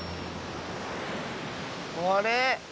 あれ？